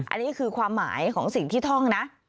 อันนี้คือความหมายของสิ่งที่ท่องนะ